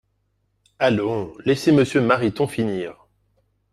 Allons, laissez Monsieur Mariton finir